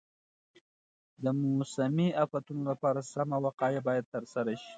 د موسمي افتونو لپاره سمه وقایه باید ترسره شي.